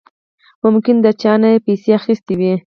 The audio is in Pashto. ممکن د چانه يې پيسې اخېستې وي.